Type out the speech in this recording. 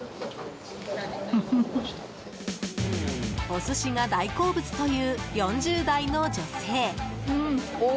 お寿司が大好物という４０代の女性。